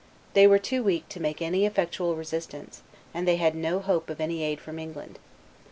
They were too weak to make any effectual resistance, and they had no hope of any aid from England.